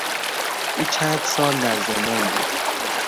او چند سال در زندان بود.